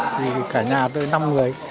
thì cả nhà tới năm người